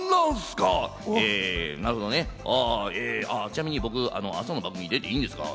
ちなみに僕、朝の番組出ていいんですか？